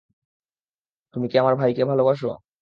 তুমি কি আমার ভাইকে ভালোবাসো?